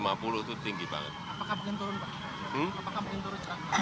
apakah mungkin turun pak